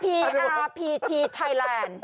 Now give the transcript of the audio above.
พีอาร์พีทีไทยแลนด์